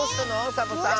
サボさん。